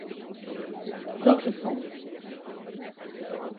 George Sand.